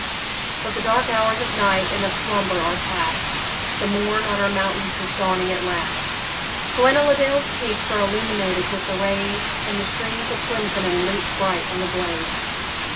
But the dark hours of night and of slumber are past, The morn on our mountains is dawning at last; Glenaladale's peaks are illumined with the rays, And the streams of Glenfinnan leap bright in the blaze.